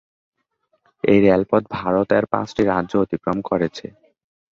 এই রেলপথ ভারত এর পাঁচটি রাজ্য অতিক্রম করেছে।